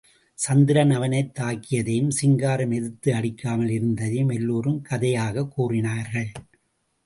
சந்திரன் அவனைத் தாக்கியதையும், சிங்காரம் எதிர்த்து அடிக்காமல் இருந்தையும், எல்லோரும் கதையாகக் கூறினார்கள்.